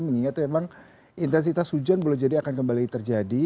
mengingat memang intensitas hujan boleh jadi akan kembali terjadi